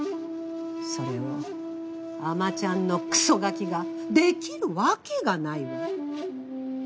それをあまちゃんのクソガキができるわけがないわ。